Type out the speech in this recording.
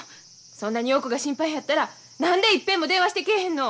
そんなに陽子が心配やったら何で一遍も電話してけえへんの！